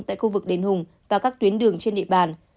tại khu vực đền hùng và các tuyến đường trên địa bàn